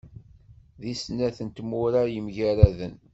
Deg snat n tmura yemgaraden.